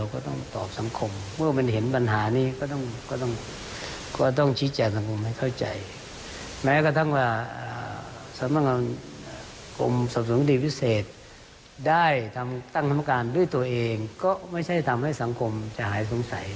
ก็ไม่ใช่ทำให้สังคมจะหายสงสัย